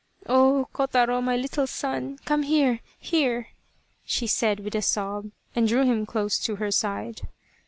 " Oh ! Kotaro, my little son, come here here," she said with a sob, and drew him close to her side.